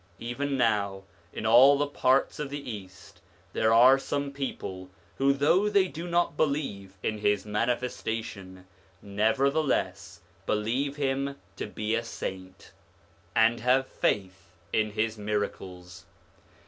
Even now, in all parts of the East, there are some people who though they do not believe in his manifestation, never theless believe him to be a saint and have faith in his miracles.